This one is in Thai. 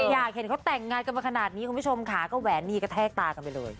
อยากเห็นเขาแต่งงานกันมาขนาดนี้คุณผู้ชมค่ะก็แหวนนี้กระแทกตากันไปเลย